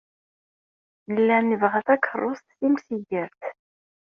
Nella nebɣa takeṛṛust timsigert.